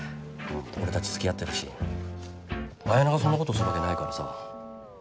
俺たちつきあってるしあやながそんなことするわけないからさ。